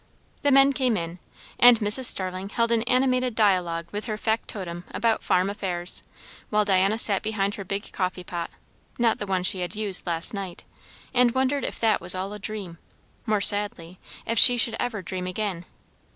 The men came in, and Mrs. Starling held an animated dialogue with her factotum about farm affairs; while Diana sat behind her big coffee pot not the one she had used last night, and wondered if that was all a dream; more sadly, if she should ever dream again.